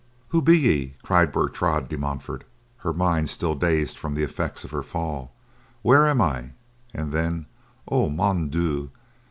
"Who be ye?" cried Bertrade de Montfort, her mind still dazed from the effects of her fall. "Where am I?" and then, "O, Mon Dieu!"